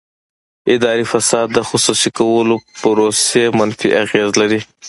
اداري فساد د خصوصي کولو پروسې منفي اغېز لري.